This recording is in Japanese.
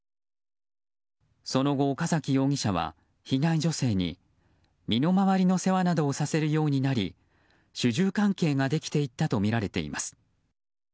その後、岡崎容疑者は被害女性に身の回りの世話などをさせるようになり主従関係ができていったとみられています。